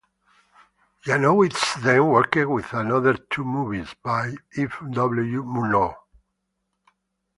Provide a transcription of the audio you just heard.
Janowitz then worked with another two movies by F. W. Murnau.